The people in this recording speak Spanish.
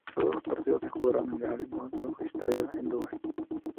Todos los partidos se jugaron en el Al-Maktoum Stadium en Dubái.